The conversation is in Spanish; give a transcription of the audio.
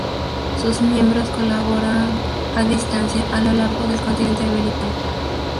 Sus miembros colaboran a distancia a lo largo del continente americano.